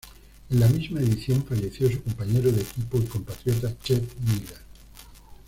En la misma edición falleció su compañero de equipo y compatriota Chet Miller.